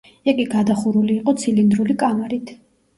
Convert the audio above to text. იგი გადახურული იყო ცილინდრული კამარით.